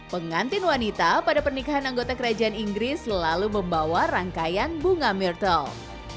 pengantin wanita pada pernikahan anggota kerajaan inggris selalu membawa rangkaian bunga mirthle